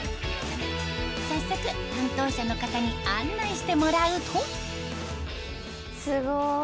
早速担当者の方に案内してもらうとすごい。